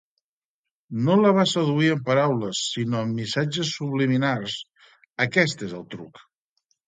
No la va seduir amb paraules sinó amb missatges subliminars, aquest és el truc.